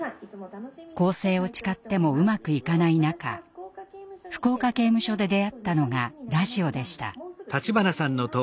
更生を誓ってもうまくいかない中福岡刑務所で出会ったのがラジオでした。